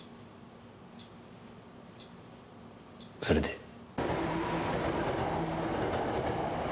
それで？